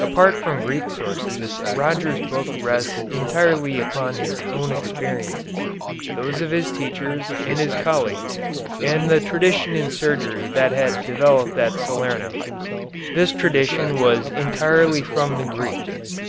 Apart from Greek sources Roger's book rests entirely upon his own experiences, those of his teachers and his colleagues, and the tradition in surgery that had developed at Salerno. This tradition was entirely from the Greek.